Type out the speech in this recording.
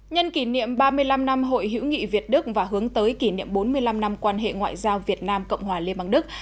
nhân kỷ niệm ba mươi năm năm hội hữu nghị việt đức và hướng tới kỷ niệm bốn mươi năm năm quan hệ ngoại giao việt nam cộng hòa liên bang đức